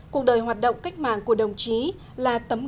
cuộc đời hoạt động cách mạng của đồng chí là tấm cán bộ